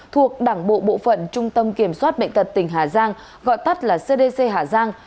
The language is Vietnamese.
thuộc đảng bộ bộ phận trung tâm kiểm soát bệnh tật tỉnh hà giang gọi tắt là cdc hà giang